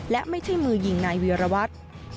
และไม่ใช่มือยิงนายวิวาวัฒน์